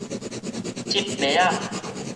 織襪仔